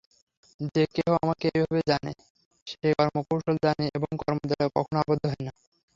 যে-কেহ আমাকে এইভাবে জানে, সে কর্মকৌশল জানে এবং কর্মদ্বারা কখনও আবদ্ধ হয় না।